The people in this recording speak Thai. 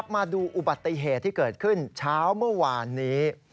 มาดูอุบัติเหตุที่เกิดขึ้นเช้าเมื่อวานนี้